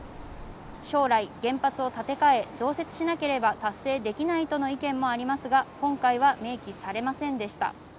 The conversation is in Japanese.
将来、原発を立て替え増設しなければ達成できないとの意見もありますが、今回は明記されませんでした。